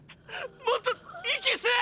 もっと息吸え！！